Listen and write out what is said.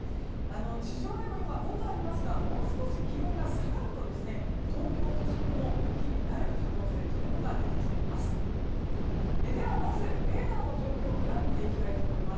地上でも今、５度ありますがもう少し気温が下がると東京都心でも雪になる可能性が出ています。